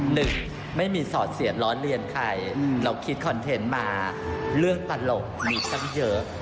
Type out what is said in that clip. หนึ่งไม่มีสอดเสียบล้อเลียนใครเราคิดคอนเทนต์มาเรื่องตลกมีตั้งเยอะ